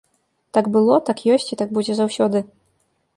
Так было, так ёсць і так будзе заўсёды!